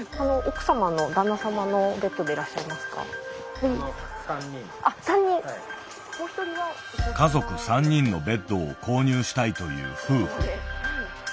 家族３人のベッドを購入したいという夫婦。